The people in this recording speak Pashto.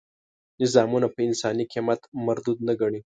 نظامونه په انساني قیمت مردود نه ګڼي.